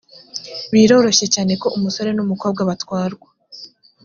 biroroshye cyane ko umusore n umukobwa batwarwa